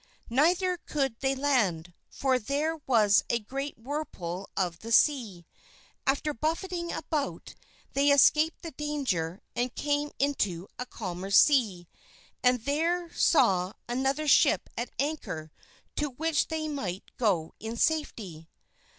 Neither could they land, for there was a great whirlpool of the sea. After buffeting about, they escaped the danger and came into a calmer sea, and there saw another ship at anchor to which they might go in safety.